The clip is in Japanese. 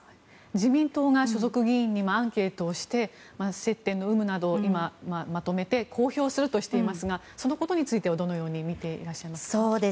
自民党が所属議員にもアンケートをして接点の有無などを今まとめて公表するとしていますがそのことについてはどのようにみていらっしゃいますか。